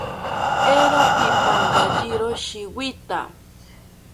Eero pipankayiro shiwita